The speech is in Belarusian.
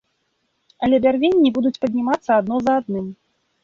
Але бярвенні будуць паднімацца адно за адным.